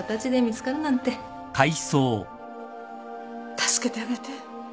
助けてあげて瑞希